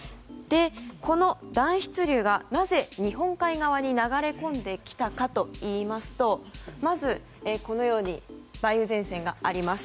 この暖湿流が、なぜ日本海側に流れ込んできたかといいますとまず、梅雨前線があります。